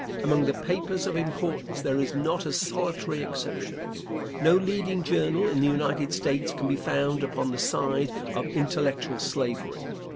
Among the papers of importance there is not a solitary exception. No leading journal in the United States can be found upon the side of intellectual slavery.